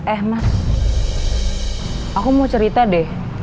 eh mas aku mau cerita deh